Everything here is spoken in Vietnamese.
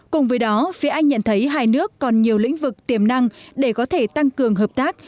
cùng với đó phía anh nhận thấy hai nước còn nhiều lĩnh vực tiềm năng để có thể tăng cường hợp tác